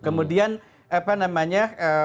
kemudian apa namanya